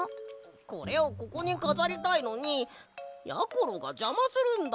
これをここにかざりたいのにやころがじゃまするんだ！